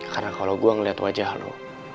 karena kalau gue ngeliat wajah lo